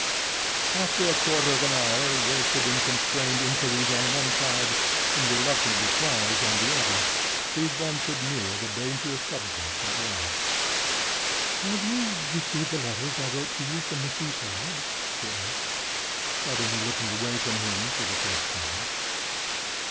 After a quarter of an hour wasted in constrained inquiries on one side, in reluctant replies on the other, she ventured near the dangerous subject at last. "Have you received the letters I wrote to you from the seaside?" she asked, suddenly looking away from him for the first time.